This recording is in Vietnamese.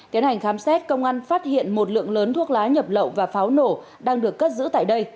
tiến hành khám xét công an phát hiện một lượng lớn thuốc lá nhập lậu và pháo nổ đang được cất giữ tại đây